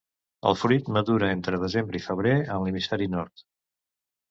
El fruit madura entre desembre i febrer en l'hemisferi nord.